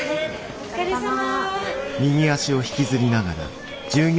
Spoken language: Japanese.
お疲れさま。